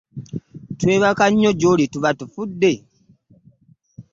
Twebaka nnyo gy'oli tuba tufudde.